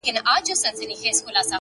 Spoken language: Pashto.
ته باغ لري پټى لرې نو لاښ ته څه حاجت دى؛